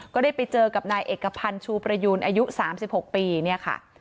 ก็ได้ไปเจอกับนายเอกพันธ์ชูประยูนอายุ๓๖ปีเนี่ยค่ะ